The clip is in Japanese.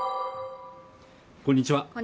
こんにちは